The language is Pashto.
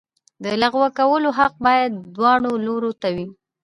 د لغوه کولو حق باید دواړو لورو ته وي.